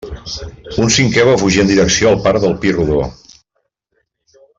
Un cinquè va fugir en direcció al parc al Pi Rodó.